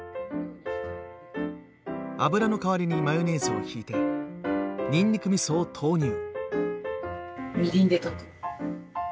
油の代わりにマヨネーズを引いてにんにくみそを投入。